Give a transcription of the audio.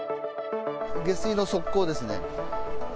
下水の側溝ですね。